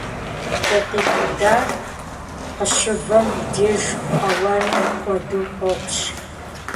КӀэтӀий кудар къыщывэм и деж къэуэным хуэдэу къопщ.